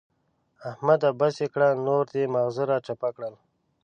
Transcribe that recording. احمده! بس يې کړه نور دې ماغزه را چپه کړل.